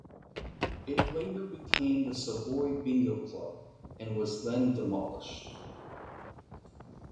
It later became the Savoy Bingo Club and was then demolished.